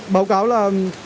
báo cáo là